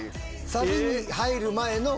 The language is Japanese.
サビに入る前の